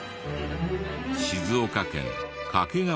静岡県掛川市。